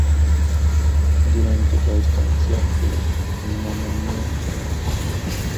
Durante la estancia de "Mamma Mia!